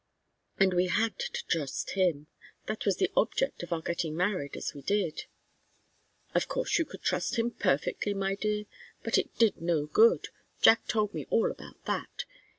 "And we had to trust him. That was the object of our getting married as we did." "Of course you could trust him perfectly, my dear. But it did no good. Jack told me all about that.